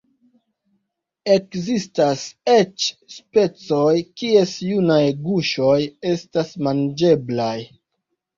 Ekzistas eĉ specoj, kies junaj guŝoj estas manĝeblaj.